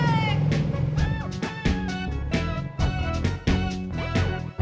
ibu aku mau